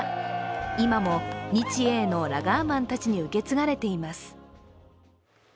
今も日英のラガーマンたちに受け継がれています。